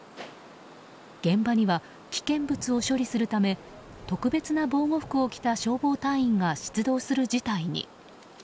現場には危険物を処理するため特別な防護服を着た消防隊員が出動する事態に。